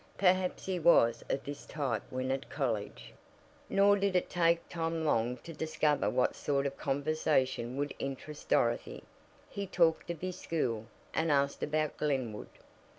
Perhaps he was of this type when at college. Nor did it take Tom long to discover what sort of conversation would interest Dorothy. He talked of his school, and asked about Glenwood.